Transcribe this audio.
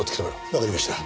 わかりました。